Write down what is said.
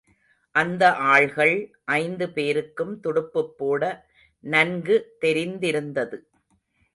அந்த ஆள்கள் ஐந்து பேருக்கும் துடுப்புப் போட நன்கு தெரிந்திருந்தது.